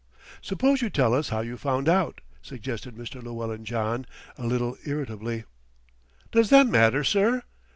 "Suppose you tell us how you found out," suggested Mr. Llewellyn John a little irritably. "Does that matter, sir?"